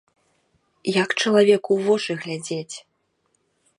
Як чалавеку ў вочы глядзець?